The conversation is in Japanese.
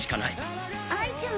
哀ちゃん！